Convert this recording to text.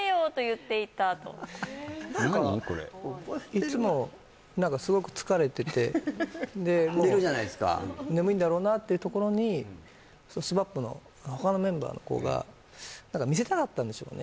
いつも何かすごく疲れててでもう寝るじゃないですか眠いんだろうなってところにＳＭＡＰの他のメンバーの子が何か見せたかったんでしょうね